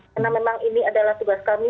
karena memang ini adalah tugas kami